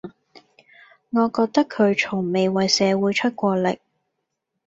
我覺得佢從未為社會出過力